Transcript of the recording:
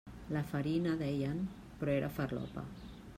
La farina, deien, però era farlopa.